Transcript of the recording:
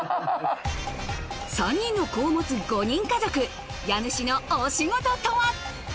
３人の子を持つ５人家族家主のお仕事とは？